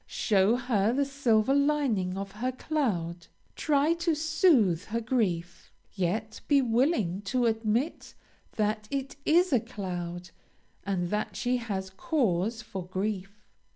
Show her the silver lining of her cloud, try to soothe her grief, yet be willing to admit that it is a cloud, and that she has cause for grief.